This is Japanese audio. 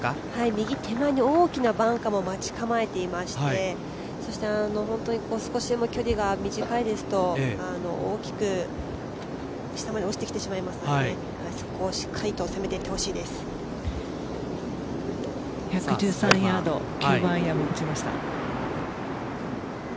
右手前に大きなバンカーも待ち構えていまして本当に少しでも距離が短いですと大きく下まで落ちてきてしまいますのでそこをしっかりと１１３ヤード９番アイアンを持ちました。